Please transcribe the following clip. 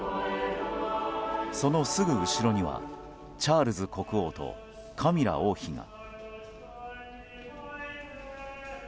そのすぐ後ろにはチャールズ国王とカミラ王妃が。